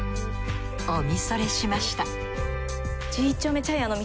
おみそれしました